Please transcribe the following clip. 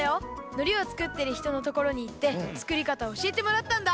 ノリをつくってるひとのところにいってつくりかたをおしえてもらったんだ。